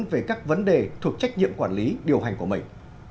về các vấn đề thuộc trách nhiệm quản lý điều hành của mình